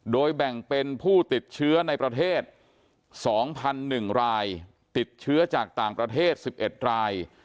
โดยแบ่งเป็นผู้ติดเชื้อในประเทศ๒๑รายติดเชื้อจากต่างประเทศ๑๑ราย